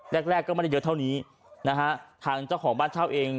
แรกแรกก็ไม่ได้เยอะเท่านี้นะฮะทางเจ้าของบ้านเช่าเอง